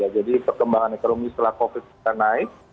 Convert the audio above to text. jadi perkembangan ekonomi setelah covid kita naik